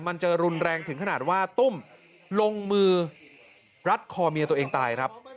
มันจะรุนแรงถึงขนาดว่าตุ้มลงมือรัดคอเมียตัวเองตายครับ